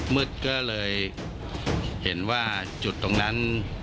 มืดก็เลยเห็นว่าจุดตรงนั้น